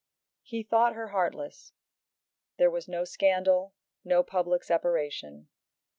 He thought her heartless. There was no scandal, no public separation.